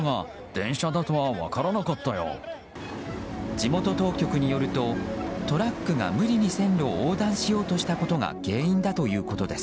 地元当局によるとトラックが無理に線路を横断しようとしたことが原因だということです。